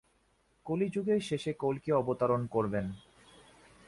কলি যুগের শেষে কল্কি অবতরণ করবেন।